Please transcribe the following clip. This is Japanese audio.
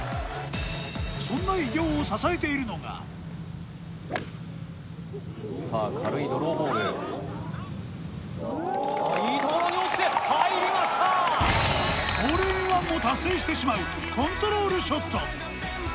そんな偉業を支えているのがホールインワンも達成してしまうコントロールショット。